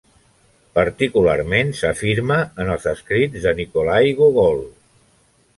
Particularment s'afirma en els escrits de Nikolai Gogol.